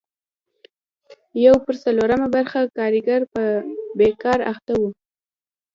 یو پر څلورمه برخه کارګر په بېګار اخته وو.